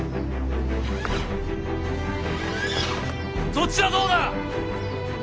そっちはどうだ！？